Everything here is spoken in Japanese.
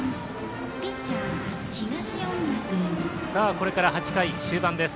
これから８回、終盤です。